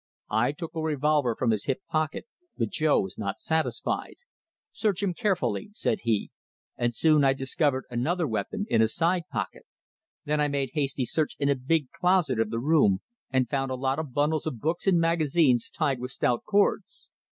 I took a revolver from his hip pocket, but Joe was not satisfied. "Search him carefully," said he, and so I discovered another weapon in a side pocket. Then I made hasty search in a big closet of the room, and found a lot of bundles of books and magazines tied with stout cords.